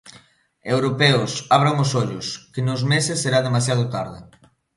Europeos, abran os ollos, que nuns meses será demasiado tarde!